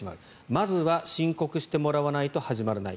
まずは申告してもらわないと始まらない。